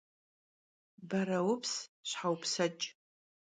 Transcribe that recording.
Bereups şhe vupseç'!